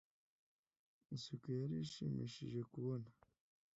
isuku yari ishimishije kubona.